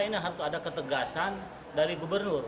ini harus ada ketegasan dari gubernur